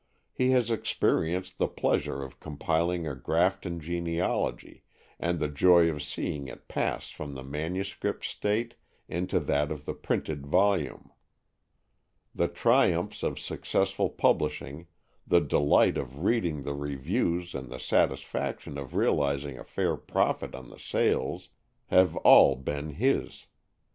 He has experienced the pleasure of compiling a Grafton genealogy, and the joy of seeing it pass from the manuscript state into that of the printed volume. The triumphs of successful publishing, the delight of reading the reviews and the satisfaction of realizing a fair profit on the sales, have all been his.